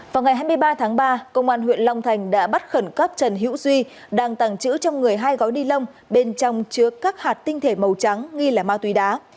vào ngày hai mươi ba tháng ba công an huyện long thành đã bắt khẩn cấp trần hữu duy đang tàng trữ trong người hai gói ni lông bên trong chứa các hạt tinh thể màu trắng nghi là ma túy đá